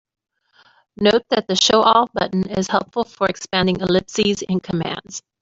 Note that the "Show all" button is helpful for expanding ellipses in commands.